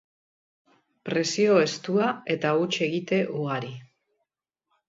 Presio estua, eta huts egite ugari.